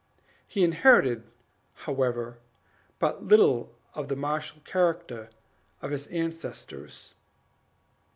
He inherited, however, but little of the martial character of his ancestors.